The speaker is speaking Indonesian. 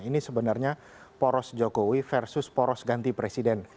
ini sebenarnya poros jokowi versus poros ganti presiden dua ribu sembilan belas